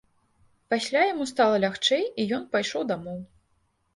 Пасля яму стала лягчэй, і ён пайшоў дамоў.